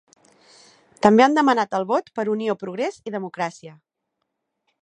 També han demanat el vot per Unió, Progrés i Democràcia.